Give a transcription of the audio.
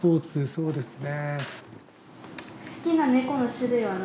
そうですね